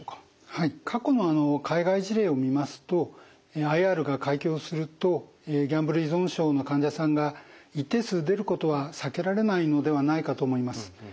はい過去の海外事例を見ますとＩＲが開業するとギャンブル依存症の患者さんが一定数出ることは避けられないのではないかと思います。